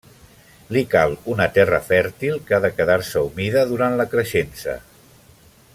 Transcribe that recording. Li cal una terra fèrtil que ha de quedar-se humida durant la creixença.